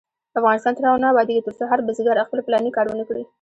افغانستان تر هغو نه ابادیږي، ترڅو هر بزګر خپل پلاني کار ونکړي.